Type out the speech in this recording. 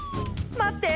待って！